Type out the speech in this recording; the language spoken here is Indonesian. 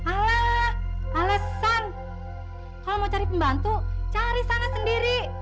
alah alasan kalo mau cari pembantu cari sana sendiri